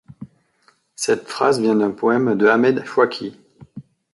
Cette phrase vient d'un poème de Ahmed Shawki.